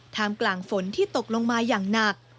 กลางฝนที่ตกลงมาอย่างหนัก